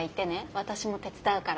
私も手伝うから。